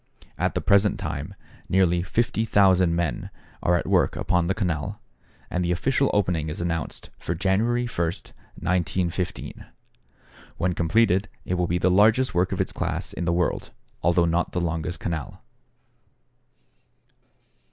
At the present time nearly 50,000 men are at work upon the canal, and the official opening is announced for January 1, 1915. When completed, it will be the largest work of its class in the world, although not the longest canal.